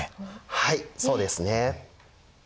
はいそうですね。